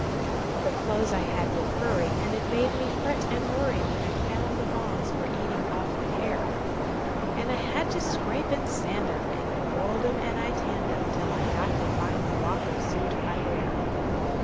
The clothes I had were furry, And it made me fret and worryWhen I found the moths were eating off the hair; And I had to scrape and sand 'em, And I boiled 'em and I tanned 'em, Till I got the fine morocco suit I wear.